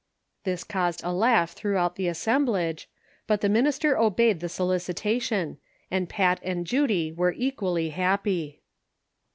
" This caused a laugh throughout the assemblage, but the minister obeyed the solicitation, and Pat and Judy were equally happy.